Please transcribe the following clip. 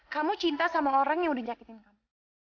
kamu cinta sama orang yang udah nyakitin kamu